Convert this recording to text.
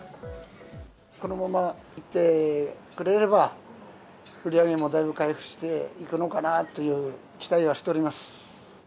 このままいってくれれば、売り上げもだいぶ回復していくのかなという期待はしております。